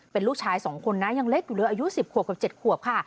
เป็นลูกชาย๒คนนะยังเล็กอยู่เลยอายุ๑๐ขวบกับ๗ขวบค่ะ